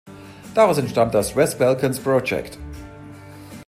Daraus entstand das „West Balkans Project“.